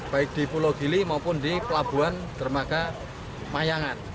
baik di pulau gili maupun di pelabuhan dermaga mayangan